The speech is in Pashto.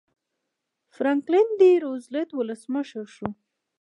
فرانکلن ډي روزولټ ولسمشر شو.